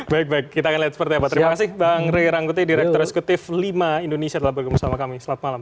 baik baik kita akan lihat seperti apa terima kasih bang ray rangkuti direktur eksekutif lima indonesia telah bergabung sama kami selamat malam